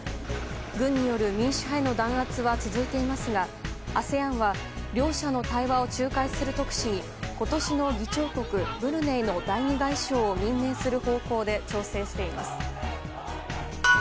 軍による民主化への弾圧は続いていますがＡＳＥＡＮは両者の対話を仲介する特使に今年の議長国ブルネイの第２外相を任命する方向で調整しています。